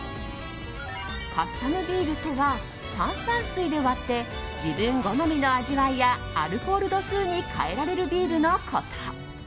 カスタムビールとは炭酸水で割って自分好みの味わいやアルコール度数に変えられるビールのこと。